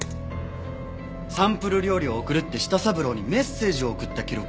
サンプル料理を送るって舌三郎にメッセージを送った記録があったよ。